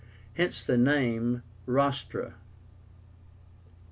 Hence the name ROSTRA.